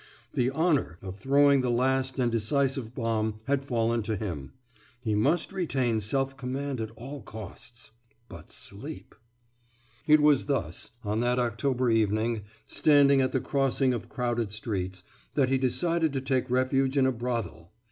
The »honour« of throwing the last and decisive bomb had fallen to him. He must retain self command at all costs. But sleep.... It was thus, on that October evening, standing at the crossing of crowded streets, that he decided to take refuge in a brothel.